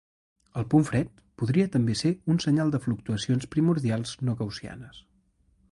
El punt fred podria també ser un senyal de fluctuacions primordials no gaussianes.